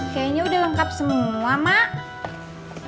kayaknya udah lengkap semua mak